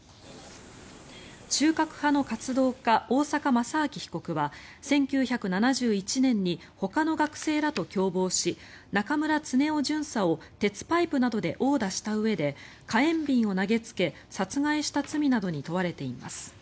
中核派の活動家、大坂正明被告は１９７１年にほかの学生らと共謀し中村恒雄巡査を鉄パイプなどで殴打したうえで火炎瓶を投げつけ殺害した罪などに問われています。